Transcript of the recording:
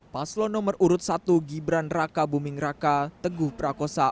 paslo nomor urut satu gibran raka buming raka teguh prakosa